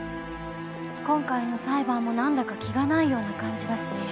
今回の裁判もなんだか気がないような感じだし。